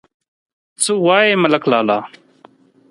_څه وايي، ملک لالا؟